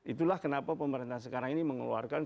itulah kenapa pemerintah sekarang ini mengeluarkan